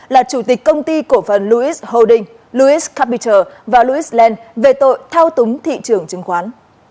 là chủ tịch công ty cổ phần lewis holding lewis capital và lewis land về tội thao túng thị trường trứng khoán